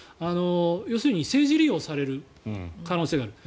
要するに政治利用される可能性がある。